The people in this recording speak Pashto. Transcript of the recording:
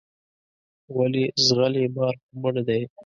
ولې ځغلې مار خو مړ دی.